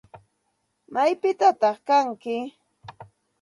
¿Maypitataq kanki?